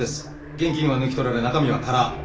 現金は抜き取られ中身は空。